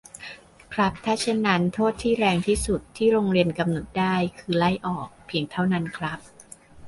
ครับ ถ้าเช่นนั้น โทษที่แรงที่สุด ที่โรงเรียนกำหนดได้ คือ ไล่ออก เพียงเท่านั้นครับ